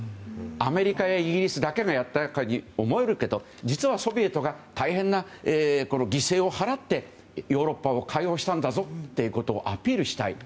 アメリカやイギリスだけがやったかに思えるけど、実はソビエトが大変な犠牲を払ってヨーロッパを解放したんだぞってことをアピールしたい。